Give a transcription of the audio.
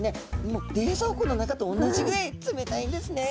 もう冷蔵庫の中と同じぐらい冷たいんですね。